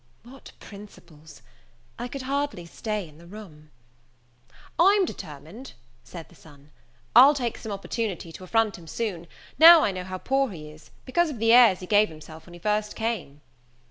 What principles! I could hardly stay in the room. "I'm determined," said the son, "I'll take some opportunity to affront him soon, now I know how poor he is, because of the airs he gave himself when he first came."